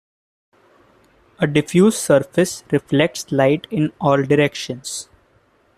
A diffuse surface reflects light in all directions.